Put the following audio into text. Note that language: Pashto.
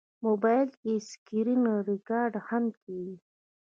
موبایل کې سکرینریکارډ هم کېږي.